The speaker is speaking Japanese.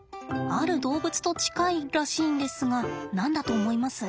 ある動物と近いらしいんですが何だと思います？